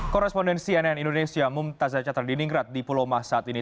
korrespondensi ann indonesia mum taza catra di ninggrat di pulau mas saat ini